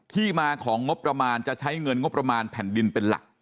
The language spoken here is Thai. ที่มาของงบประมาณจะใช้เงินงบประมาณแผ่นดินเป็นหลัก